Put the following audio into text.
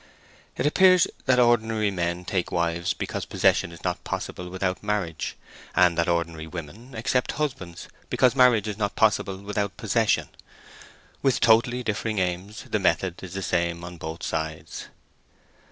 It appears that ordinary men take wives because possession is not possible without marriage, and that ordinary women accept husbands because marriage is not possible without possession; with totally differing aims the method is the same on both sides.